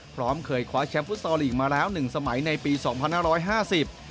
พร้อมเคยคว้าแชมป์ฟุตซอลลีกมาแล้วหนึ่งสมัยในปีสองพันห้าร้อยห้าสิบ